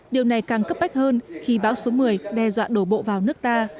điều này càng cấp bách hơn khi bão số một mươi đe dọa đổ bộ vào nước ta